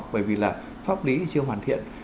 bởi vì là pháp lý chưa hoàn thiện